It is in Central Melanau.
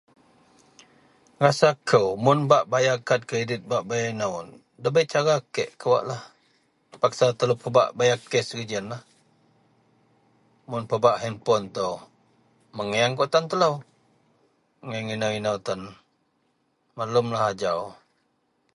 rasa kou mun bak bayar kad kreadit bak bei inou dabei cara kek kawaklah terpaksa telou pebak bayar kes ji ienlah, mun pebak handpon itou megieang kawak tan telou, megieang inou-inou tan, maklumlah ajau.